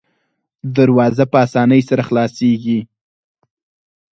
دروازه په اسانۍ سره خلاصیږي.